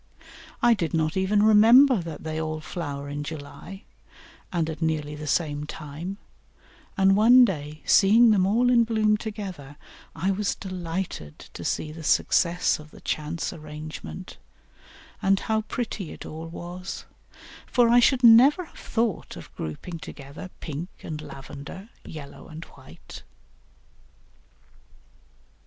I did not even remember that they all flower in July, and at nearly the same time; and one day seeing them all in bloom together, I was delighted to see the success of the chance arrangement, and how pretty it all was, for I should never have thought of grouping together pink and lavender, yellow and white.